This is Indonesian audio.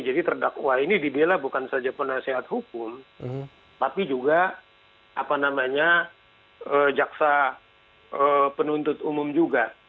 terdakwa ini dibela bukan saja penasehat hukum tapi juga jaksa penuntut umum juga